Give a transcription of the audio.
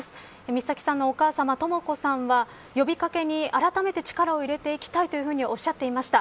美咲さんのお母さまとも子さんは呼び掛けに、あらためて力を入れていきたいとおっしゃっていました。